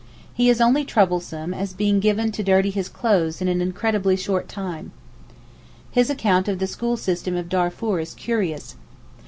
He is only troublesome as being given to dirty his clothes in an incredibly short time. His account of the school system of Darfour is curious.